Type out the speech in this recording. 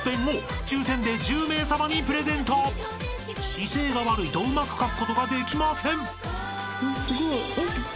［姿勢が悪いとうまく書くことができません］